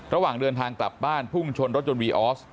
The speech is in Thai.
ระหว่างเดินทางกลับบ้านพุ่งชนรถยนต์วีออส